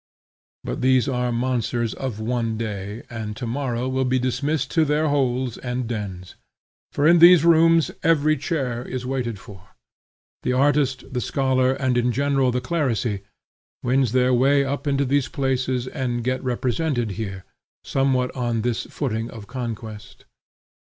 But these are monsters of one day, and to morrow will be dismissed to their holes and dens; for in these rooms every chair is waited for. The artist, the scholar, and, in general, the clerisy, wins their way up into these places and get represented here, somewhat on this footing of conquest.